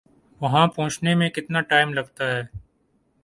وہاں پہنچنے میں کتنا ٹائم لگتا ہے؟